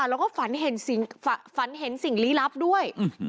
แล้วก็ฝันเห็นสิ่งลี้ลับด้วย